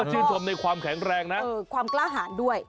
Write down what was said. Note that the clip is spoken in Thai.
ชื่นชมในความแข็งแรงนะความกล้าหารด้วย